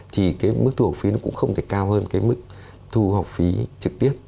thì cái mức thu học phí nó cũng không thể cao hơn cái mức thu học phí trực tiếp